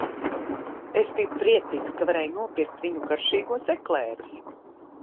Es biju priecīgs, ka varēju nopirkt viņu garšīgos eklērus.